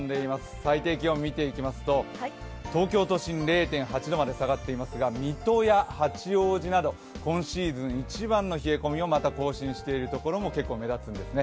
最低気温見ていきますと東京都心０．８度まで下がっていますが水戸や八王子など今シーズン一番の冷え込みをまた更新している所も目立つんですね。